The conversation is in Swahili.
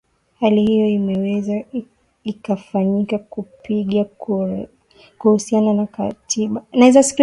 hali hiyo iweze ikafanyika kupiga kura kuhusiana na katiba